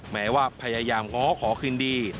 แม้ว่าพยายามง้อขอคืนดี